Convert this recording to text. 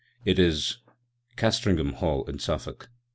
It is Castringham Hall in Suffolk.